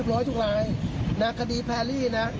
ร้อยทุกรายนะคดีแพรรี่นะ